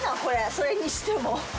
それにしても。